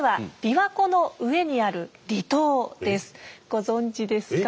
ご存じですか？